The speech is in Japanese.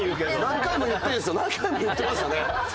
何回も言ってますよね。